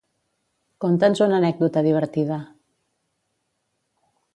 Conta'ns una anècdota divertida.